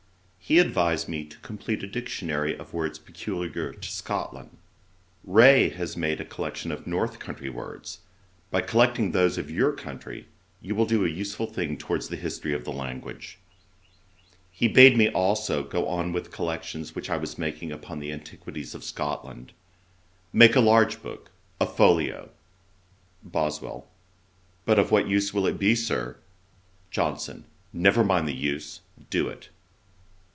He advised me to complete a Dictionary of words peculiar to Scotland, of which I shewed him a specimen. 'Sir, (said he,) Ray has made a collection of north country words. By collecting those of your country, you will do a useful thing towards the history of the language.' He bade me also go on with collections which I was making upon the antiquities of Scotland. 'Make a large book; a folio.' BOSWELL. 'But of what use will it be, Sir?' JOHNSON. 'Never mind the use; do it.'